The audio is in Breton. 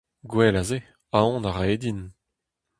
Gwell a se ! Aon a rae din !